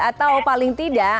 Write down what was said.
atau paling tidak